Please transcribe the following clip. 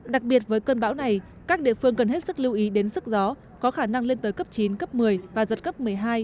đặc biệt với cơn bão này các địa phương cần hết sức lưu ý đến sức gió có khả năng lên tới cấp chín cấp một mươi và giật cấp một mươi hai